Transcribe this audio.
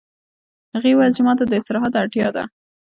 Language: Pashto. هغې وویل چې ما ته د استراحت اړتیا ده